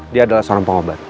dia adalah seorang pengobat